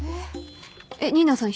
えっ新名さん